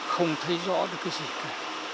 không thấy rõ được cái gì cả